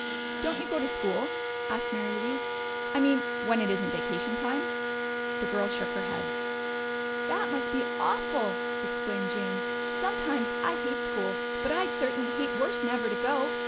"Don't you go to school?" asked Mary Louise. "I mean when it isn't vacation time?" The girl shook her head. "That must be awful!" exclaimed Jane. "Sometimes I hate school, but I'd certainly hate worse never to go.